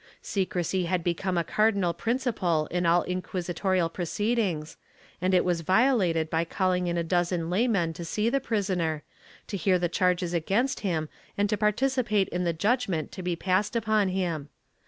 Secrecy had become a cardinal principle in all inquisitorial proceedings and it was violated by calhng in a dozen laymen to see the prisoner, to hear the charges against him and to participate in the judgement to be passed upon him.